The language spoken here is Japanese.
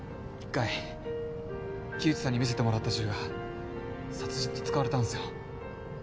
１回木内さんに見せてもらった銃が殺人に使われたんすよ。